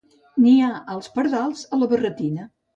Niar els pardals a la barretina.